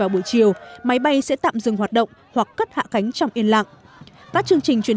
buổi chiều máy bay sẽ tạm dừng hoạt động hoặc cất hạ cánh trong yên lạng các chương trình truyền